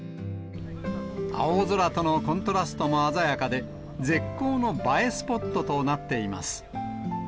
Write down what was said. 青空とのコントラストも鮮やかで、絶好の映えスポットとなっています。